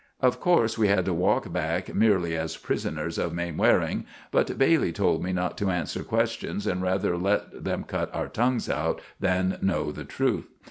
Of corse we had to walk back merely as prisoners of Mainwaring, but Bailey told me not to answer questions and rather let them cut our tongues out than know the truth.